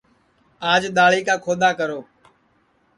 آج دؔاݪی کا کھودؔا کرو